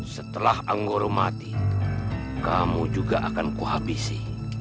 setelah anggoro mati kamu juga akan kuhabisi